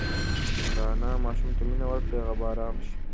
که انا ماشوم ته مینه ورکړي هغه به ارام شي.